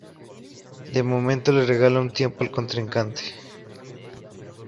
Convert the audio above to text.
De momento le regala un tiempo al contrincante.